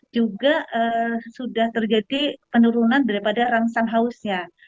juga sudah terjadi penurunan daripada rangsan hausnya